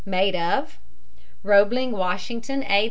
maid of. ROEBLING, WASHINGTON A.